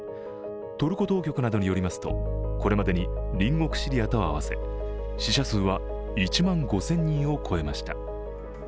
トルコ当局などによりますとこれまでに隣国シリアと合わせ、死者数は１万５０００人を超えました。